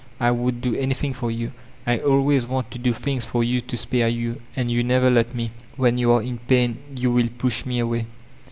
"I would do anything for you. I always want to dp things for you to spare you, and you never let me. When you are in pain you will push me away."